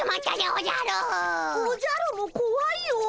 おじゃるもこわいよ。